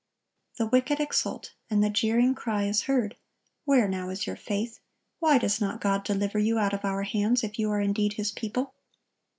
The wicked exult, and the jeering cry is heard, "Where now is your faith? Why does not God deliver you out of our hands if you are indeed His people?"